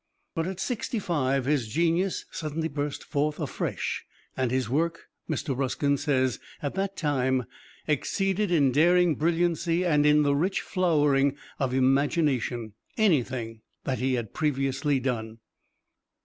But at sixty five his genius suddenly burst forth afresh, and his work, Mr. Ruskin says, at that time exceeded in daring brilliancy and in the rich flowering of imagination, anything that he had previously done.